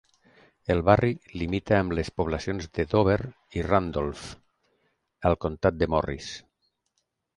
El barri limita amb les poblacions de Dover i Randolph, al comtat de Morris.